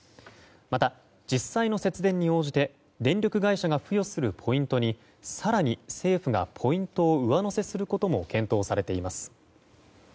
また、実際の節電に応じて電力会社が付与するポイントに更に政府がポイントを上乗せすることも検討されています。